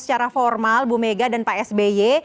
secara formal bu mega dan pak sby